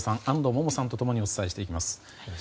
安藤萌々さんと共にお伝えしていきます。